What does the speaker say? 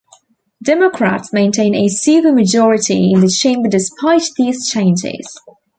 Democrats maintain a super-majority in the chamber despite these changes.